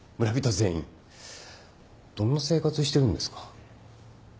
どんな生活してるんですか？